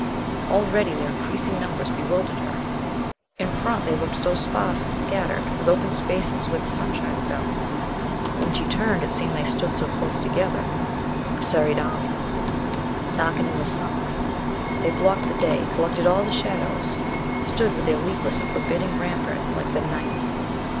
Already their increasing numbers bewildered her. In front, they looked so sparse and scattered, with open spaces where the sunshine fell; but when she turned it seemed they stood so close together, a serried army, darkening the sunlight. They blocked the day, collected all the shadows, stood with their leafless and forbidding rampart like the night.